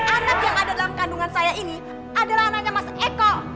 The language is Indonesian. anak yang ada dalam kandungan saya ini adalah anaknya mas eko